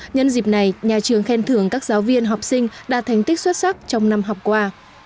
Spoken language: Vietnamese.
nhân dịp này nhà trường khen thưởng các giáo viên học sinh đạt thành tích xuất sắc trong năm học qua